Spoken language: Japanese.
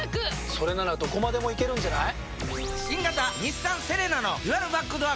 それならどこまでも行けるんじゃない？